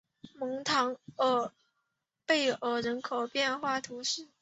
蒙唐贝尔人口变化图示